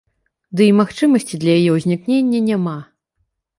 Ды і магчымасці для яе ўзнікнення няма.